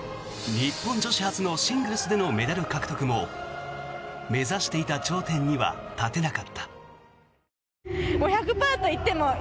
日本女子初のシングルスでのメダル獲得も目指していた頂点には立てなかった。